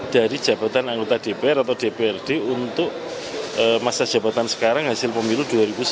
jadi jabatan anggota dpr atau dprd untuk masa jabatan sekarang hasil pemilu dua ribu sembilan belas